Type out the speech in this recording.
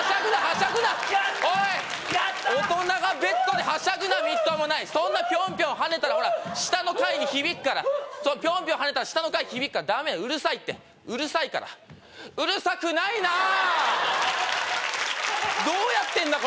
大人がベッドではしゃぐなみっともないそんなピョンピョンはねたら下の階に響くからピョンピョンはねたら下の階に響くからダメうるさいってうるさいからうるさくないなどうやってんだ